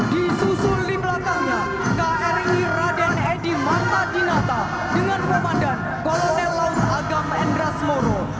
disusul di belakangnya kri raden edy mata dinata dengan komandan kolonel laut agam endras moro